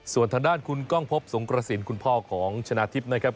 ส่วนทางด้านคุณก้องพบสงกระสินคุณพ่อของชนะทิพย์นะครับ